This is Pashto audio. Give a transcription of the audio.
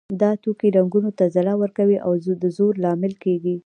دا توکي رنګونو ته ځلا ورکوي او د زرو لامل کیږي.